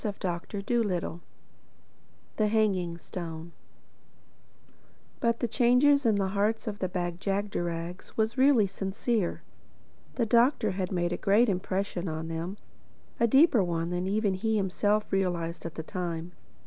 THE EIGHTH CHAPTER THE HANGING STONE BUT the change of heart in the Bag jagderags was really sincere. The Doctor had made a great impression on them—a deeper one than even he himself realized at the time.